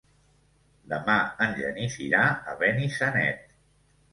Demà en Genís irà a Benissanet.